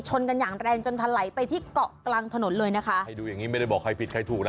กันอย่างแรงจนทะไหลไปที่เกาะกลางถนนเลยนะคะให้ดูอย่างงี้ไม่ได้บอกใครผิดใครถูกนะ